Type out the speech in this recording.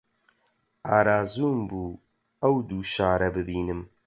ئارەزووم بوو ئەو دوو شارە ببینم